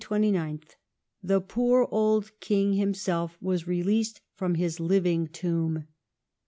29th) the poor old King himself was released from his living tomb.